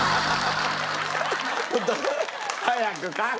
ちょっと早く感想。